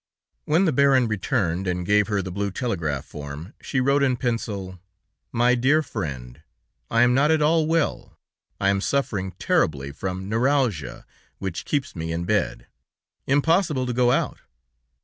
When the Baron returned and gave her the blue telegraph form, she wrote in pencil: "My Dear Friend: I am not at all well. I am suffering terribly from neuralgia, which keeps me in bed. Impossible to go out.